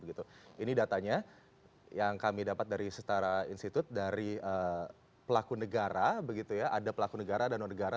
ini datanya yang kami dapat dari setara institut dari pelaku negara ada pelaku negara dan non negara